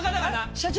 社長！？